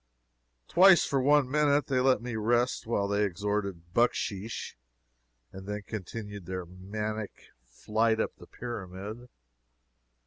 Twice, for one minute, they let me rest while they extorted bucksheesh, and then continued their maniac flight up the Pyramid.